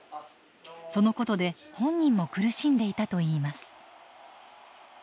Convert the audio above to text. そのことで本人も苦しんでいたといいます。